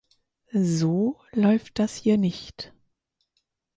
So läuft das hier ncht!